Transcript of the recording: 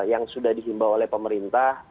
yang sudah dihimbau oleh pemerintah